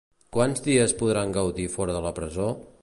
Quants dies podran gaudir fora de la presó?